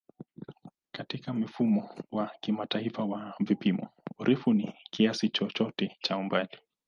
Katika Mfumo wa Kimataifa wa Vipimo, urefu ni kiasi chochote cha umbali.